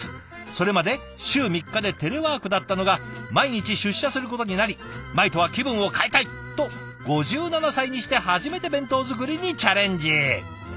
それまで週３日でテレワークだったのが毎日出社することになり「前とは気分を変えたい！」と５７歳にして初めて弁当作りにチャレンジ。